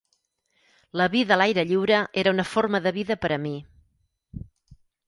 La vida a l'aire lliure era una forma de vida per a mi.